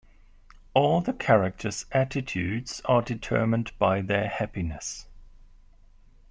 All the characters' attitudes are determined by their happiness.